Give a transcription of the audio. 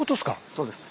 そうです。